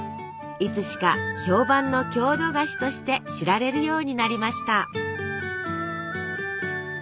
いつしか評判の郷土菓子として知られるようになりました。